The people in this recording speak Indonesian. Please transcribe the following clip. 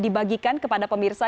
ingin dibagikan kepada pemirsa